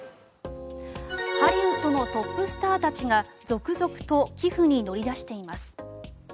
ハリウッドのトップスターたちが続々と寄付に乗り出しています。